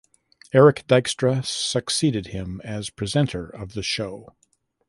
Erik Dijkstra succeeded him as presenter of the show.